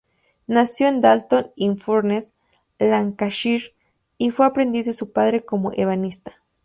Nació en Dalton-in-Furness, Lancashire, y fue aprendiz de su padre como ebanista.